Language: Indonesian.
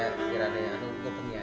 ini dia kiranya